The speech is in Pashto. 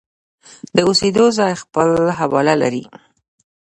د اوسېدو ځای خپل حواله لري.